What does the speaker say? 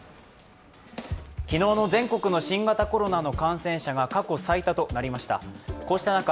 昨日の全国の新型コロナの感染者が過去最多となりました。